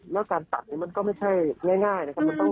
แล้วการตัดมันก็ไม่ใช่ง่ายนะคะ